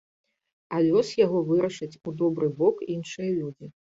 А лёс яго вырашаць у добры бок іншыя людзі.